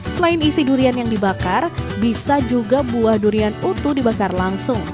selain isi durian yang dibakar bisa juga buah durian utuh dibakar langsung